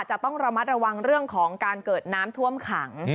จะต้องระมัดระวังเรื่องของการเกิดน้ำท่วมขัง